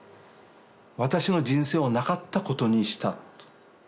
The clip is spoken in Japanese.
私の人生をなかったことにした。